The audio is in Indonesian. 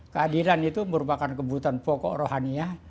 keadilan itu merupakan kebutuhan pokok rohaninya